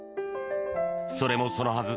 それもそのはず。